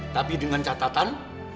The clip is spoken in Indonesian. tapi dengan catatan